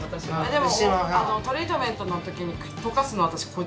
でもトリートメントの時にとかすの私これ。